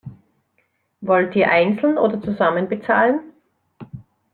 Wollt ihr einzeln oder zusammen bezahlen?